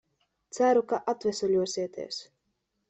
Ceru, ka atveseļosieties.